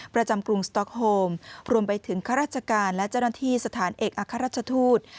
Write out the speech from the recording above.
กรุงสต๊อกโฮมรวมไปถึงข้าราชการและเจ้าหน้าที่สถานเอกอัครราชทูต